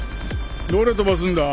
どれ飛ばすんだ？